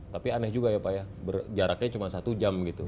tapi aneh juga ya pak ya jaraknya cuma satu jam gitu